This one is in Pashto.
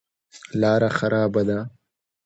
لاره خرابه ده.